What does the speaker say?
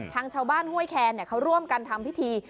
ทางชาวบ้านห้วยแคนเขาร่วมกันทำพิธี